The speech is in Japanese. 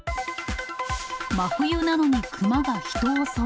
真冬なのに熊が人を襲う。